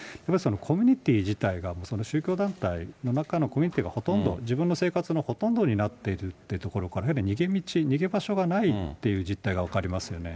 コミュニティー自体が、その宗教団体の中のコミュニティーが、ほとんど、自分の生活がほとんどになっているというところから、やはり逃げ道、逃げ場所がないって実態が分かりますよね。